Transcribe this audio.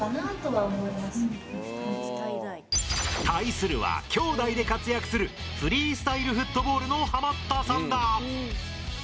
対するは、兄弟で活躍するフリースタイルフットボールのハマったさんだ。